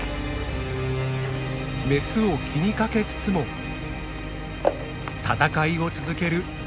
メスを気にかけつつも闘いを続けるレッドカップ。